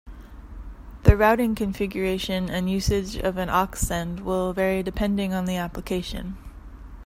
The routing configuration and usage of an aux-send will vary depending on the application.